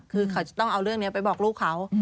คือเขาจะต้องเอาเรื่องนี้ไปบอกลูกเขา